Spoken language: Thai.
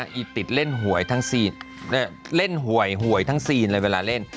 อีติดเล่นหวยทั้งซีนเล่นหวยหวยทั้งซีนเลยเวลาเล่น